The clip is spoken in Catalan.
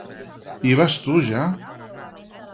—Hi vas tu, ja?